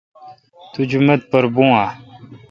تو جومت پر بھون اؘ۔